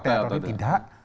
bingung ke partai atau tidak